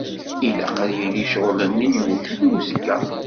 Ilaq ad yili ccɣel-nni yujed i uzekka.